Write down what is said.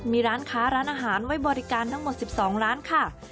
มีร้านค้าร้านอาหารไว้บริการทั้งหมด๑๒ร้านค่ะ